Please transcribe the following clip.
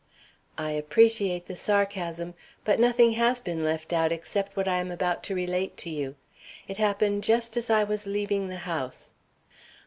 "I appreciate the sarcasm, but nothing has been left out except what I am about to relate to you. It happened just as I was leaving the house."